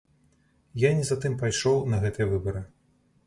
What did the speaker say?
Я не за тым пайшоў на гэтыя выбары.